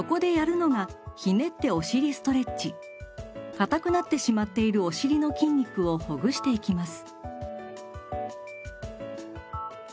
かたくなってしまっているお尻の筋肉をほぐしていきます。